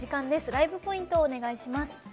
ライブポイントをお願いします。